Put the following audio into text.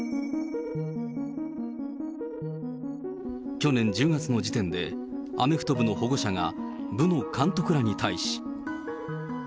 去年１０月の時点でアメフト部の保護者が部の監督らに対し。